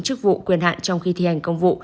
chức vụ quyền hạn trong khi thi hành công vụ